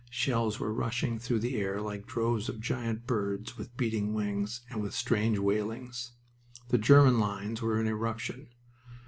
Shells were rushing through the air like droves of giant birds with beating wings and with strange wailings. The German lines were in eruption.